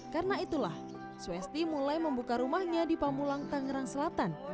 karena itulah swesty mulai membuka rumahnya di pamulang tangerang selatan